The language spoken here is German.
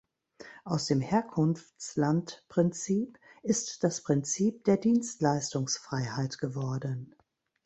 Aus dem Herkunftslandprinzip ist das Prinzip der Dienstleistungsfreiheit geworden.